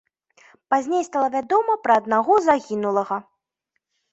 Пазней стала вядома пра аднаго загінулага.